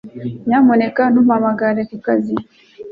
Nyamuneka ntumpamagare ku kazi